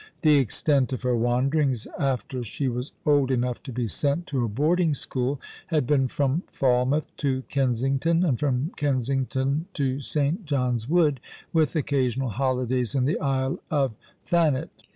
The extent of her wanderings after she was old enough to be sent to a boarding school had been from Fal mouth to Kensington, and from Kensington to St. John's Wood, wath occasional holidays in the Isle of Thanet.